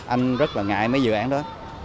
anh rất là ngại mấy dự án đó